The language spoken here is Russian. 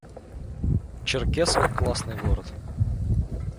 Черкесск — классный город